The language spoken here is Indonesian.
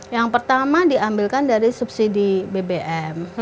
yang pertama diambilkan dari subsidi bbm